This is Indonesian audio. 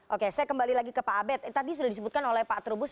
oke saya kembali lagi ke pak abed tadi sudah disebutkan oleh pak trubus